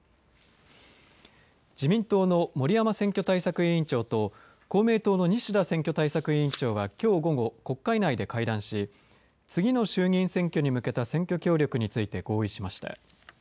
自民党の森山選挙対策委員長と公明党の西田選挙対策委員長はきょう午後国会内で会談し次の衆議院選挙に向けた選挙協力について合意しました。